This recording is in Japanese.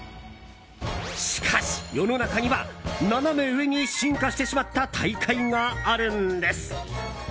しかし、世の中にはナナメ上に進化してしまった大会があるんです。